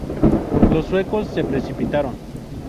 Los sucesos se precipitaron.